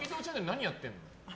何やってんの？